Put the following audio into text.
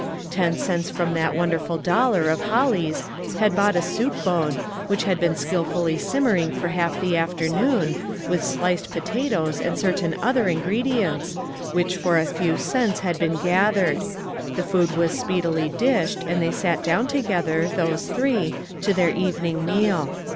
Ten cents from that wonderful dollar of Holly's had bought a soup bone, which had been skilfully simmering for half the afternoon, 209 2IO ONE COMMONPLACE DAY. with sliced potatoes, and certain other in gredients, which for a few cents had been gathered. The food was speedily dished, and they sat down together, those three, to their evening meal.